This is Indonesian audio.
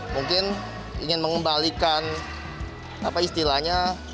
mungkin ingin mengembalikan istilahnya